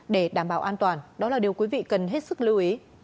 để đảm bảo an toàn đó là điều quý vị cần hết sức lưu ý